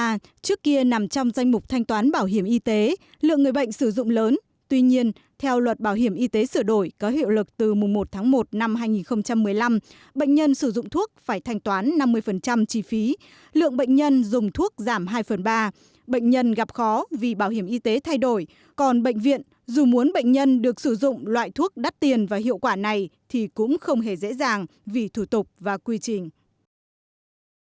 thuốc nexava trước kia nằm trong danh mục thanh toán bảo hiểm y tế lượng người bệnh sử dụng lớn tuy nhiên theo luật bảo hiểm y tế sửa đổi có hiệu lực từ mùa một tháng một năm hai nghìn một mươi năm bệnh nhân sử dụng thuốc phải thanh toán năm mươi chi phí lượng bệnh nhân dùng thuốc giảm hai phần ba bệnh nhân gặp khó vì bảo hiểm y tế thay đổi còn bệnh viện dù muốn bệnh nhân được sử dụng loại thuốc đắt tiền và hiệu quả này thì cũng không hề dễ dàng vì thủ tục và quy trình